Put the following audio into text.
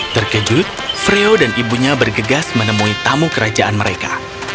terkejut freo dan ibunya bergegas menemui tamu kerajaan mereka